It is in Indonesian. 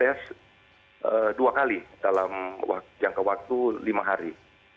melaksanakan suet tes dua kali dalam jangka waktu lima hari